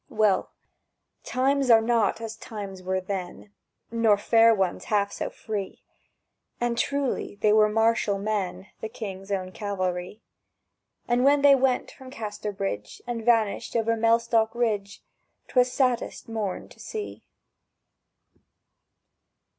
Well! times are not as times were then, Nor fair ones half so free; And truly they were martial men, The King's Own Cavalry. And when they went from Casterbridge And vanished over Mellstock Ridge, 'Twas saddest morn to see.